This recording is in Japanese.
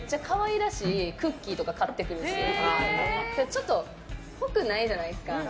ちょっとっぽくないじゃないですか。